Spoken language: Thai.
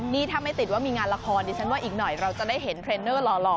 นี่ถ้าไม่ติดว่ามีงานละครดิฉันว่าอีกหน่อยเราจะได้เห็นเทรนเนอร์หล่อ